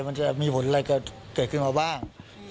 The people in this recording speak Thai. มันจะมีผลอะไรเกิดขึ้นมาบ้าง